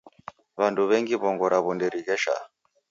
W'andu wengi wongo rawo nderighesha.